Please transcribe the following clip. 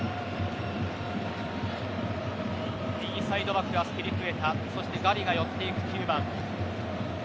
右サイドバック、アスピリクエタそしてガヴィが寄っていく中盤。